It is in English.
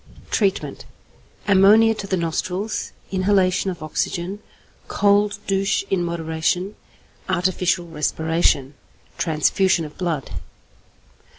Treatment. Ammonia to the nostrils, inhalation of oxygen, cold douche in moderation, artificial respiration, transfusion of blood.